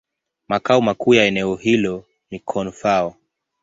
Makao makuu ya eneo hilo ni Koun-Fao.